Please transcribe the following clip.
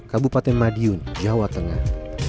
kabupaten madiun jawa tengah